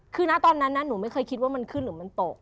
คือนะตอนนั้นหนูไม่เคยคิดว่ามันขึ้นหรือมันตก